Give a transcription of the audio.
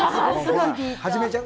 始めちゃう？